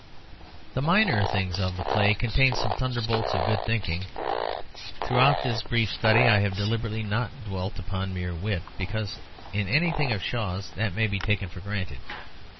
The minor things of the play contain some thunderbolts of good thinking. Throughout this brief study I have deliberately not dwelt upon mere wit, because in anything of Shaw's that may be taken for granted.